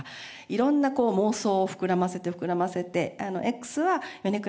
色んな妄想を膨らませて膨らませて。